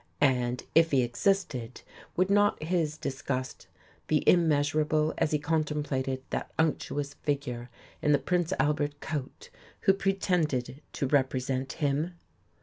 And, if He existed, would not His disgust be immeasurable as He contemplated that unctuous figure in the "Prince Albert" coat, who pretended to represent Him?